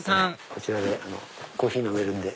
こちらでコーヒー飲めるんで。